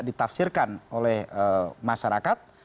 ditafsirkan oleh masyarakat